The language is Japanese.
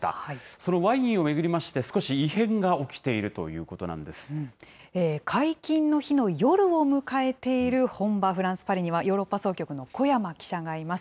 そのワインを巡りまして、少し異変が起きているということなんで解禁の日の夜を迎えている本場、フランス・パリには、ヨーロッパ総局の古山記者がいます。